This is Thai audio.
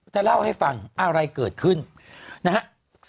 จะเล่าให้ฟังอะไรเกิดขึ้นนะฮะ